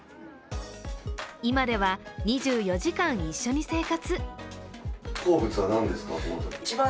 今では２４時間一緒に生活。